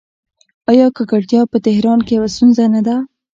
آیا ککړتیا په تهران کې یوه ستونزه نه ده؟